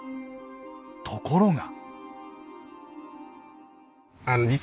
ところが。